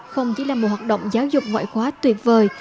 không chỉ là một hoạt động giáo dục ngoại khóa tuyệt vời